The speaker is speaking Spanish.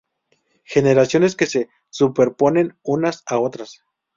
Generaciones que se superponen unas a otras.